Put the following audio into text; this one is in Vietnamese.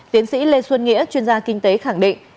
tiến sĩ lê xuân nghĩa chuyên gia kinh tế khẳng định